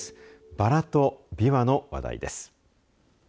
ばらとびわの話題です。